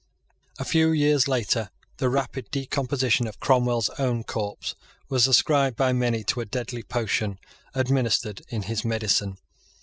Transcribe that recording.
A few years later, the rapid decomposition of Cromwell's own corpse was ascribed by many to a deadly potion administered in his medicine.